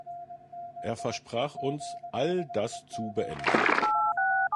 Er versprach uns, all das zu beenden.